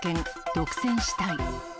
独占したい。